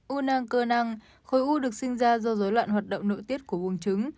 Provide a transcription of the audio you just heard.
u nang cơ nang khối u được sinh ra do dối loạn hoạt động nội tiết của buồng trứng